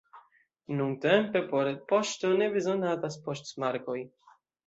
Nuntempe por retpoŝto ne bezonatas poŝtmarkoj.